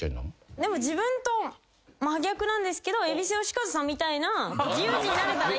でも自分と真逆なんですけど蛭子能収さんみたいな自由人になれたらいいですけど。